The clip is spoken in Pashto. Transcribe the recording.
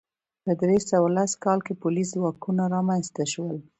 په درې سوه لس کال کې پولیس ځواکونه رامنځته شول